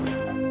ya sayang yuk